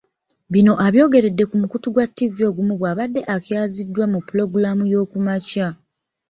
Bino abyogeredde ku mukutu gwa ttivvi ogumu bw'abadde akyaziddwa mu Pulogulaamu y'okumakya.